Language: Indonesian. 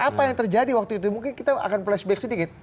apa yang terjadi waktu itu mungkin kita akan flashback sedikit